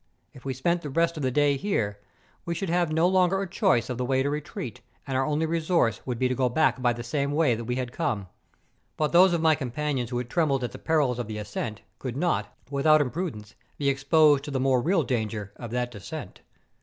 If we spent the rest of the day here, we should have no longer a choice of the way to retreat, and our only resource would be to go back by the same way that we had come. But those of my companions who had trembled at the perils of the ascent, could not, without imprud¬ ence be exposed to the more real danger of that descent.